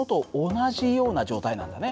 同じような状態なんだね。